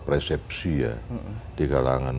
persepsi ya di kalangan